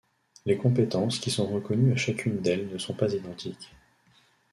Les compétences qui sont reconnues à chacune d’elles ne sont pas identiques.